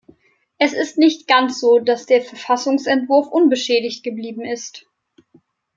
Es ist nicht ganz so, dass der Verfassungsentwurf unbeschädigt geblieben ist.